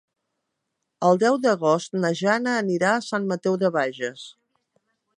El deu d'agost na Jana anirà a Sant Mateu de Bages.